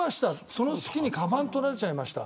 その隙にかばん取られちゃいました。